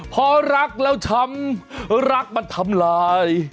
พอรักแล้วช้ำรักมันทำลาย